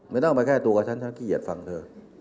ไม่ต้องมาแก้ตัวกับฉันฉันขี้เกียจฟังเธอ